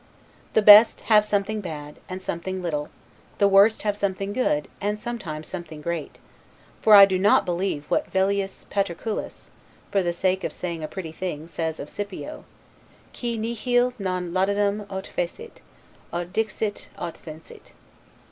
The best have something bad, and something little; the worst have something good, and sometimes something great; for I do not believe what Velleius Paterculus (for the sake of saying a pretty thing) says of Scipio, 'Qui nihil non laudandum aut fecit, aut dixit, aut sensit'.